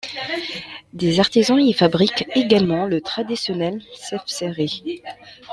Des artisans y fabriquent également le traditionnel sefseri.